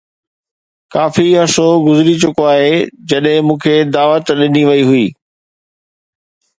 ڪافي عرصو گذري چڪو آهي جڏهن مون کي دعوت ڏني وئي هئي